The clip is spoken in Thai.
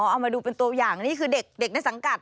เอามาดูเป็นตัวอย่างนี่คือเด็กในสังกัด